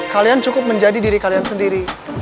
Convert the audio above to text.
kalian cukup menjadi diri kalian sendiri